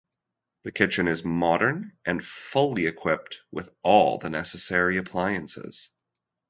The kitchen is modern and fully equipped with all the necessary appliances.